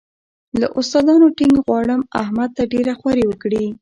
له استادانو ټینګ غواړم احمد ته ډېره خواري وکړي.